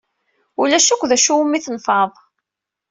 Ulac akk d acu umi tnefɛed.